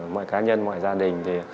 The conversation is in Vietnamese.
mọi cá nhân mọi gia đình